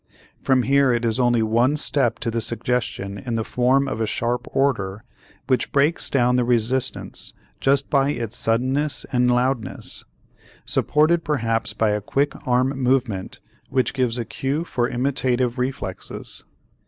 From here it is only one step to the suggestion in the form of a sharp order which breaks down the resistance just by its suddenness and loudness, supported perhaps by a quick arm movement which gives a cue for imitative reflexes.